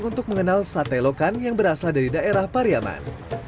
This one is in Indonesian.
untuk mengenal sate lokan yang berasal dari daerah pariaman